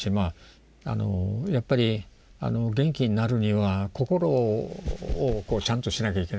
やっぱり元気になるには心をちゃんとしなきゃいけない。